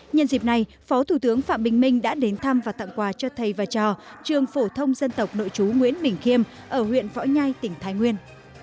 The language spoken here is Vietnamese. nhân dịp này phó thủ tướng phạm bình minh đã đến thăm và tặng quà cho thầy và trò trường phổ thông dân tộc nội chú nguyễn bình khiêm ở huyện võ nhai tỉnh thái nguyên